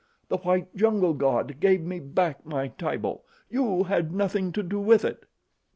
The white jungle god gave me back my Tibo. You had nothing to do with it."